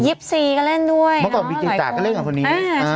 ๒๔ก็เล่นด้วยนะมากกว่าบีกลิ๊กตาก็เล่นกับคนนี้